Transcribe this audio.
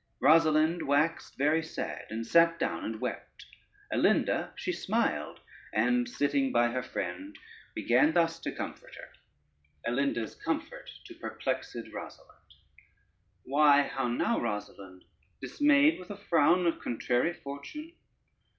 Rosalynde waxed very sad, and sate down and wept. Alinda she smiled, and sitting by her friend began thus to comfort her: ALINDA'S COMFORT TO PERPLEXED ROSALYNDE "Why, how now, Rosalynde, dismayed with a frown of contrary fortune?